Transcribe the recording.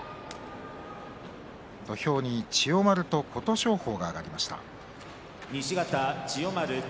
土俵に千代丸と琴勝峰が上がりました。